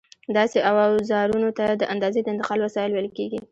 داسې اوزارونو ته د اندازې د انتقال وسایل ویل کېږي.